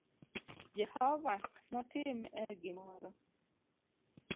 Jehova notim e gimoro